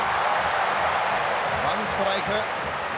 ワンストライク。